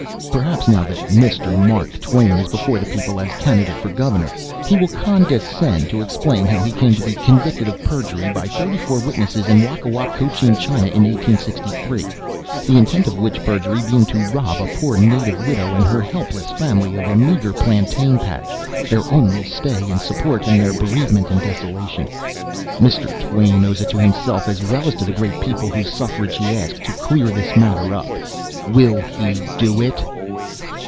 Perhaps, now that Mr. Mark Twain is before the people as a candidate for Governor, he will condescend to explain how he came to be convicted of perjury by thirty four witnesses in Wakawak, Cochin China, in 1863, the intent of which perjury being to rob a poor native widow and her helpless family of a meager plantain patch, their only stay and support in their bereavement and desolation. Mr. Twain owes it to himself, as well as to the great people whose suffrages he asks, to clear this matter up. Will he do it?